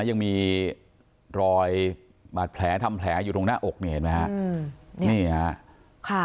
ยังมีรอยบาดแผลทำแผลอยู่ตรงหน้าอกเนี่ยเห็นไหมฮะ